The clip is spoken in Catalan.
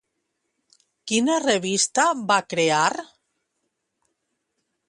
Quina revista va crear?